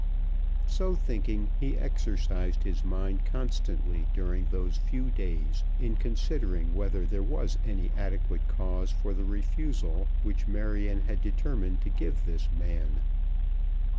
So thinking, he exercised his mind constantly during those few days in considering whether there was any adequate cause for the refusal which Marion had determined to give this man.